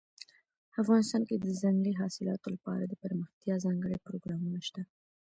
افغانستان کې د ځنګلي حاصلاتو لپاره دپرمختیا ځانګړي پروګرامونه شته.